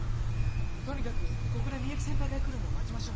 とにかくここで美雪先輩が来るのを待ちましょう。